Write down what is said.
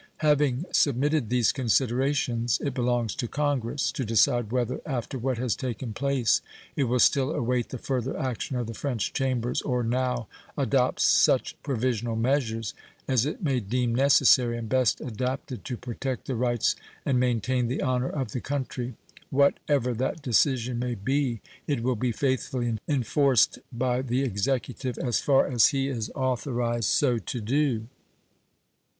Having submitted these considerations, it belongs to Congress to decide whether after what has taken place it will still await the further action of the French Chambers or now adopt such provisional measures as it may deem necessary and best adapted to protect the rights and maintain the honor of the country. What ever that decision may be, it will be faithfully enforced by the Executive as far as he is authorized so to do.